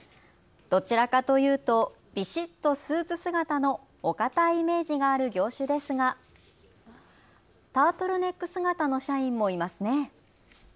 どちらかというと、ビシッとスーツ姿のお堅いイメージがある業種ですが、タートルネック姿の社員もいますね。